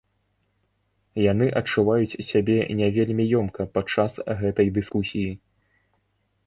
Яны адчуваюць сябе не вельмі ёмка падчас гэтай дыскусіі.